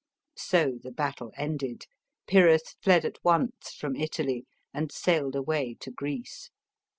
So the battle ended ; Pyrrhus fled at once from Italy jyid sailed away to Greece.